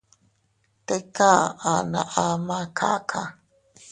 Tika aʼa na ama kaka.